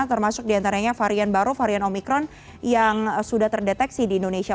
termasuk diantaranya varian baru varian omikron yang sudah terdeteksi di indonesia